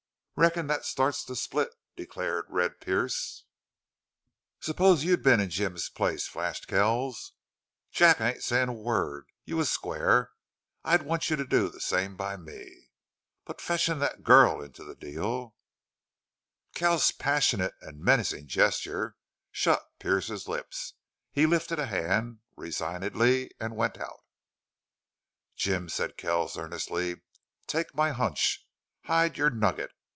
"Reckon thet starts the split!" declared Red Pearce. "Suppose you'd been in Jim's place!" flashed Kells. "Jack, I ain't sayin' a word. You was square. I'd want you to do the same by me.... But fetchin' the girl into the deal " Kells's passionate and menacing gesture shut Pearce's lips. He lifted a hand, resignedly, and went out. "Jim," said Kells, earnestly, "take my hunch. Hide your nugget.